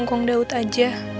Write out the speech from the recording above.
kong daud aja